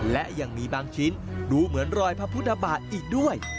และยังมีบางชิ้นดูเหมือนรอยพระพุทธบาทอีกด้วย